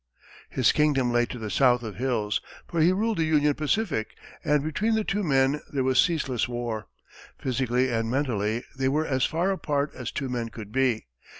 His kingdom lay to the south of Hill's, for he ruled the Union Pacific, and between the two men there was ceaseless war. Physically and mentally they were as far apart as two men could be.